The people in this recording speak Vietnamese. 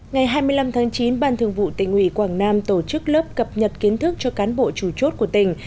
ngày hai mươi năm tháng chín ban thường vụ tỉnh ủy quảng nam tổ chức lớp cập nhật kiến thức cho cán bộ chủ chốt của tỉnh